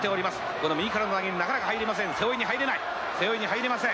この右からの投げになかなか入れません。